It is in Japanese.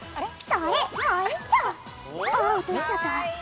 ああ落としちゃった。